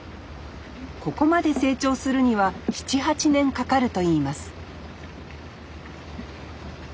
ここまで成長するには７８年かかるといいます